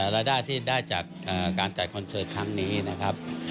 รายได้ที่ได้จากการจัดคอนเสิร์ตครั้งนี้นะครับ